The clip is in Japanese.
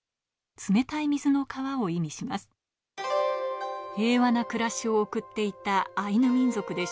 冷たい水の川を意味します。